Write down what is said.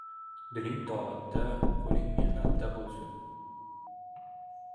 Diling toatda, qo‘ling mehnatda bo‘lsin.